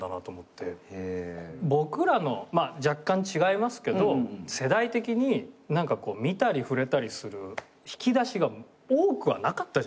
僕らのまあ若干違いますけど世代的に何かこう見たり触れたりする引き出しが多くはなかったじゃないですか。